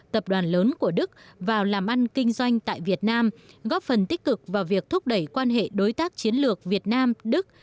tập đoàn lớn của đức vào làm ăn kinh doanh tại việt nam góp phần tích cực vào việc thúc đẩy quan hệ đối tác chiến lược việt nam đức